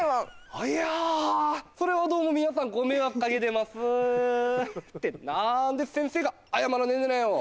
あいやそれはどうも皆さんご迷惑かけてますって何で先生が謝らねねなよ